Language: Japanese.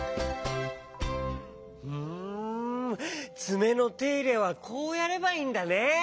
つめのていれはこうやればいいんだね。